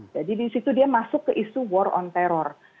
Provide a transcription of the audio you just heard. jadi di situ dia masuk ke isu war on terror